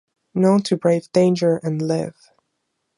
Known to brave danger and live.